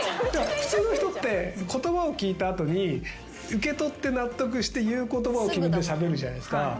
普通の人って言葉を聞いた後に受け取って納得して言う言葉を決めてしゃべるじゃないですか。